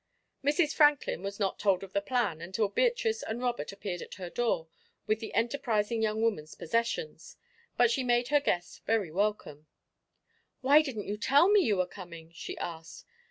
Mrs. Franklin was not told of the plan until Beatrice and Robert appeared at her door with the enterprising young woman's possessions, but she made her guest very welcome. "Why didn't you tell me you were coming?" she asked.